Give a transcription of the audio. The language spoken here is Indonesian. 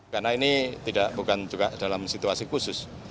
karena ini tidak bukan juga dalam situasi khusus